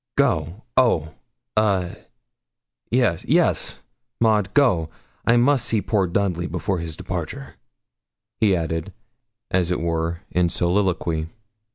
'Go? oh! a yes yes, Maud go. I must see poor Dudley before his departure,' he added, as it were, in soliloquy.